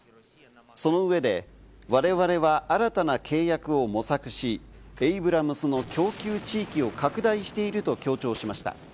その上で我々は新たな契約を模索し、エイブラムスの供給地域を拡大していると強調しました。